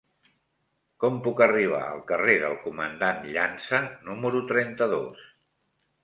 Com puc arribar al carrer del Comandant Llança número trenta-dos?